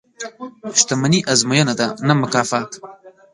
• شتمني ازموینه ده، نه مکافات.